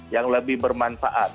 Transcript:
yang lebih bermanfaat